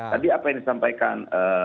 tadi apa yang disampaikan